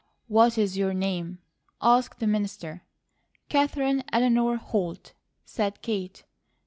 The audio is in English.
"What is your name?" asked the minister. "Katherine Eleanor Holt," said Kate.